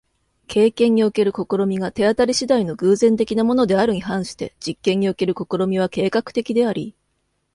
経験における試みが手当り次第の偶然的なものであるに反して、実験における試みは計画的であり、